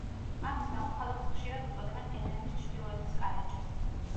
ამის გამო ქალაქს ხშირად უწოდებენ ერევნის „ჩრდილოეთის კარიბჭეს“.